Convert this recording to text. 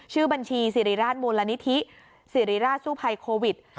ชื่อบัญชีสิริราชมูลนิธิสิริราชสู้ภัยโควิด